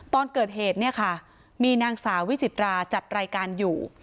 ตอนเกิดเหตุเนี่ยค่ะมีนางสาววิจิตราจัดรายการอยู่